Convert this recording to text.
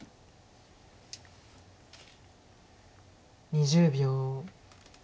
２０秒。